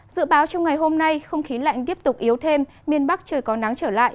dự báo trong ngày hôm nay không khí lạnh tiếp tục yếu thêm miền bắc trời có nắng trở lại